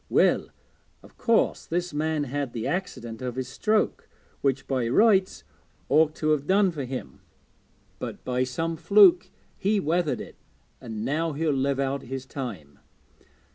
Well, of course this man had the accident of his stroke, which by rights ought to have done for him, but by some fluke he weathered it, and now he'll live out his time.